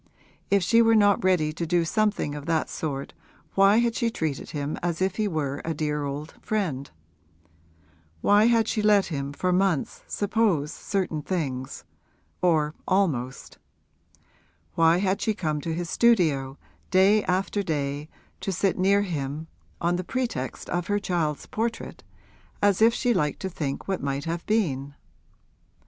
If she were not ready to do something of that sort why had she treated him as if he were a dear old friend; why had she let him for months suppose certain things or almost; why had she come to his studio day after day to sit near him on the pretext of her child's portrait, as if she liked to think what might have been?